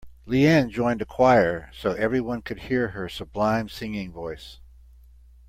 Leanne joined a choir so everyone could hear her sublime singing voice.